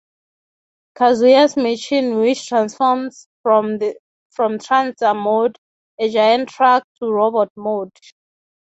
Kazuya's machine, which transforms from tranzor mode, a giant truck, to robot mode.